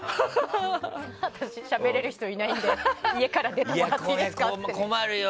私しゃべれる人いないので家から出てもらって困るよ。